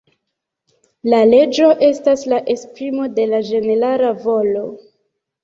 La leĝo estas la esprimo de la ĝenerala volo.